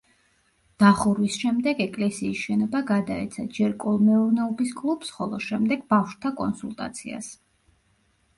დახურვის შემდეგ ეკლესიის შენობა გადაეცა ჯერ კოლმეურნეობის კლუბს, ხოლო შემდეგ ბავშვთა კონსულტაციას.